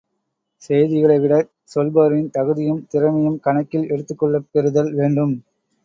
செய்திகளை விடச் சொல்பவரின் தகுதியும் திறமையும் கணக்கில் எடுத்துக் கொள்ளப் பெறுதல் வேண்டும்.